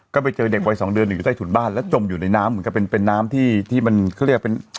ก็ไปเจอเด็กวัยสองเดือนอยู่ใต้ถุนบ้านแล้วจมอยู่ในน้ำเหมือนกับเป็นน้ำที่ที่มันเขาเรียกเป็น